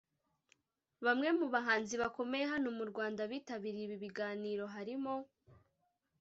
Bamwe mu bahanzi bakomeye hano mu Rwanda bitabiriye ibi biganiro harimo